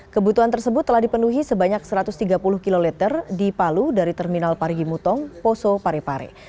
kebutuhan tersebut telah dipenuhi sebanyak satu ratus tiga puluh km di palu dari terminal parigi mutong poso parepare